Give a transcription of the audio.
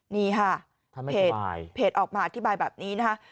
นี่ค่ะเพจออกมาอธิบายแบบนี้นะคะ